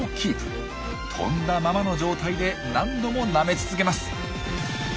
飛んだままの状態で何度もなめ続けます。